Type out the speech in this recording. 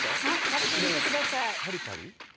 食べてみてください。